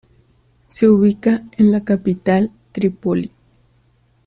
Se ubica en la capital, Trípoli.